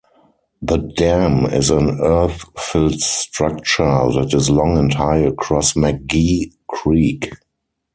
The dam is an earth-filled structure that is long and high across McGee Creek.